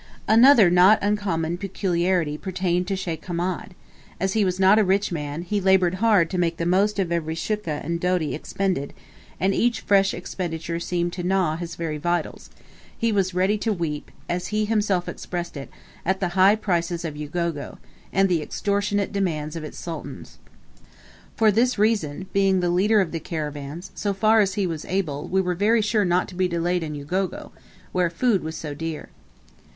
Another not uncommon peculiarity pertained to Sheikh Hamed; as he was not a rich man, he laboured hard to make the most of every shukka and doti expended, and each fresh expenditure seemed to gnaw his very vitals: he was ready to weep, as he himself expressed it, at the high prices of Ugogo, and the extortionate demands of its sultans. For this reason, being the leader of the caravans, so far as he was able we were very sure not to be delayed in Ugogo, where food was so dear.